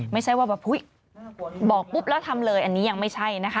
ไม่ใช่ว่าแบบอุ๊ยบอกปุ๊บแล้วทำเลยอันนี้ยังไม่ใช่นะคะ